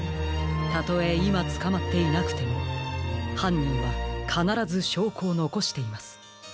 たとえいまつかまっていなくてもはんにんはかならずしょうこをのこしています。